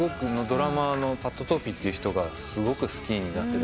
ドラマーのパット・トーピーって人がすごく好きになって。